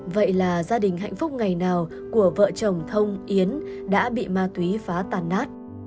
vậy là gia đình hạnh phúc ngày nào của vợ chồng thông yến đã bị ma túy phá tàn nát